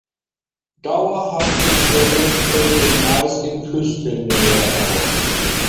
Dauerhafte Quellen treten meist in Küstennähe auf.